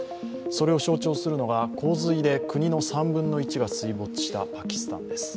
それを象徴するのが洪水で国の３分の１が水没したパキスタンです。